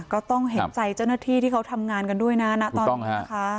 ก็ต้องเห็นใจเจ้าหน้าที่ที่เขาทำงานกันด้วยนะณตอนนี้นะคะ